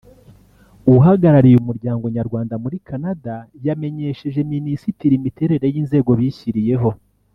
uhagarariye umuryango nyarwanda muri Canada yamenyesheje Minisitiri imiterere y’inzego bishyiriyeho